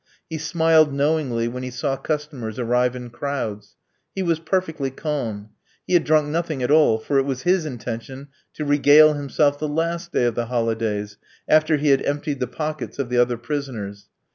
He smiled knowingly when he saw customers arrive in crowds. He was perfectly calm. He had drunk nothing at all; for it was his intention to regale himself the last day of the holidays, after he had emptied the pockets of the other prisoners.